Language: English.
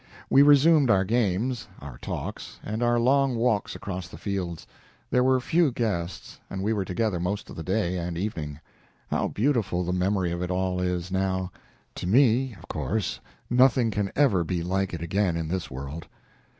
We resumed our games, our talks, and our long walks across the fields. There were few guests, and we were together most of the day and evening. How beautiful the memory of it all is now! To me, of course, nothing can ever be like it again in this world.